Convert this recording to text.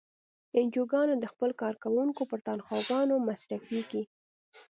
انجوګانې د خپلو کارکوونکو پر تنخواګانو مصرفیږي.